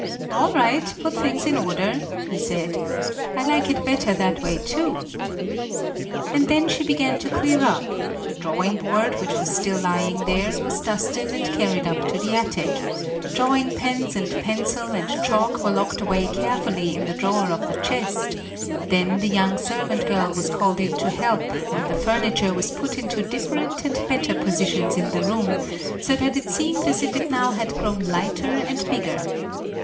"All right, put things in order!" he said; "I like it better that way too." And then she began to clear up: the drawing board, which was still lying there, was dusted and carried up to the attic, drawing pens and pencil and chalk were locked away carefully in a drawer of the chest; then the young servant girl was called in to help and the furniture was put into different and better positions in the room, so that it seemed as if it now had grown lighter and bigger.